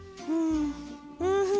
うん。